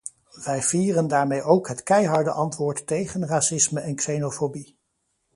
Wij vieren daarmee ook het keiharde antwoord tegen racisme en xenofobie.